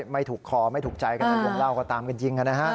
ไม่ถูกคอไม่ถูกใจในวงเล่าก็ตามเป็นจริงอ่ะนะฮะ